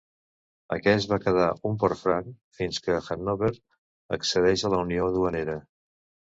Aquest va quedar un port franc fins que Hannover accedeix a la unió duanera.